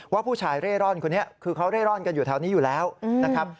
ว่าผู้ชายเร่ร่อนคนนี้คือเขาเร่ร่อนกันอยู่แถวนี้อยู่แล้วนะครับ